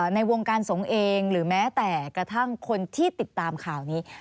ในวงการสงฆ์เองหรือแม้แต่กระทั่งคนที่ติดตามข่าวนี้